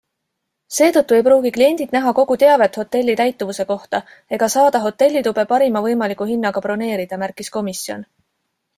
Seetõttu ei pruugi kliendid näha kogu teavet hotelli täituvuse kohta ega saada hotellitube parima võimaliku hinnaga broneerida, märkis Komisjon.